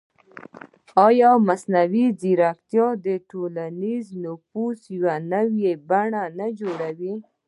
ایا مصنوعي ځیرکتیا د ټولنیز نفوذ نوې بڼې نه جوړوي؟